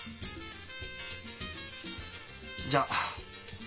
じゃあ。